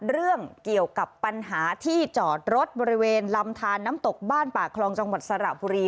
เรื่องเกี่ยวกับปัญหาที่จอดรถบริเวณลำทานน้ำตกบ้านป่าคลองจังหวัดสระบุรี